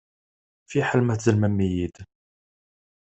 Fiḥel ma tzellmem-iyi-d.